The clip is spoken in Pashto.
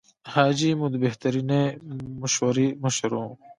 حاجي مو د بهترینې مشورې مشر و.